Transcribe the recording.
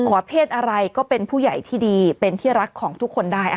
ว่าเพศอะไรก็เป็นผู้ใหญ่ที่ดีเป็นที่รักของทุกคนได้